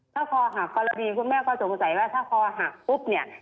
ถ้าคอหักกรณีคุณแม่ก็สงสัยว่าถ้าคอหักปุ๊บเนี่ย